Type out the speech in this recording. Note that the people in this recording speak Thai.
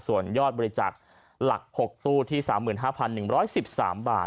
ส่วนยอดบริจาคหลัก๖ตู้ที่๓๕๑๑๓บาท